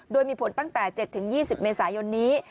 โดยมีผลตั้งแต่๗๒๐เมษายนนี้